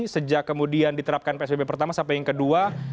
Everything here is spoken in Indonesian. sejak kemudian diterapkan psbb pertama sampai yang kedua